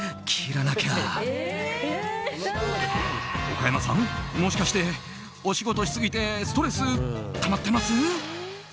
岡山さん、もしかしてお仕事しすぎてストレスたまってます？